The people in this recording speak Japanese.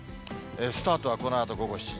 スタートはこのあと午後７時。